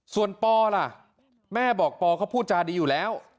ส่วนปอล่ะแม่บอกปอเขาพูดจาดีอยู่แล้ว